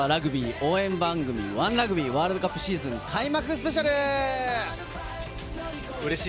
応援番組『ＯＮＥラグビー』ワールドカップシーズン開幕スペシャル！